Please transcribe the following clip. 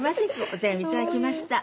お手紙いただきました。